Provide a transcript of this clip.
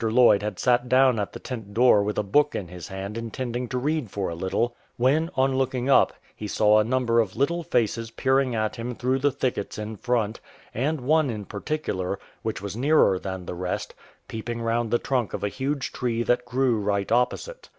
Lloyd had sat down at the tent door Avith a book in his hand intending to read for a little, when on looking up, he saw a number of little faces peering at him through the thickets in front, and one in particular, which was nearer than the rest, peeping round the trunk of a huge tree that grew right opposite.